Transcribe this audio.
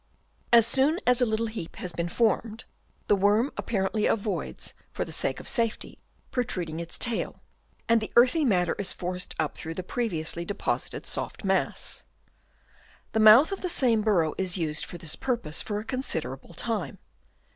As soon as a little heap has been formed, the worm apparently avoids, for the sake of safety, protruding its tail; and the earthy matter is forced up through the previously deposited soft mass. The mouth of the same burrow is used for this purpose for a consider able time.